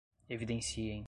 evidenciem